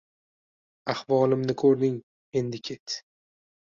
Ahvolimni koʻrding, endi ket!